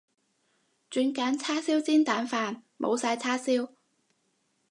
轉揀叉燒煎蛋飯，冇晒叉燒